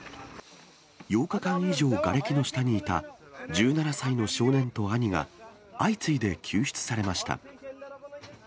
８日間以上がれきの下にいた、１７歳の少年と兄が相次いで救出されました。